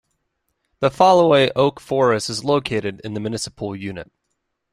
The Foloi oak forest is located in the municipal unit.